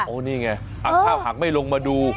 นี่ไงถ้าหากไม่ลงมาดู